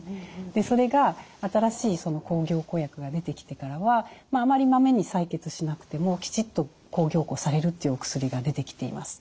でそれが新しい抗凝固薬が出てきてからはあまりまめに採血しなくてもきちっと抗凝固されるというお薬が出てきています。